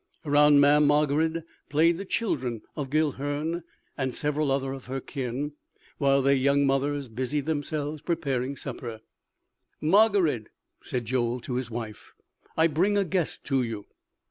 Around Mamm' Margarid played the children of Guilhern and several other of her kin, while their young mothers busied themselves preparing supper. "Margarid," said Joel to his wife, "I bring a guest to you."